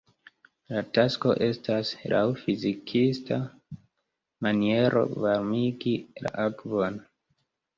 La tasko estas, laŭ fizikista maniero varmigi la akvon.